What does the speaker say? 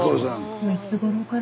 いつごろから？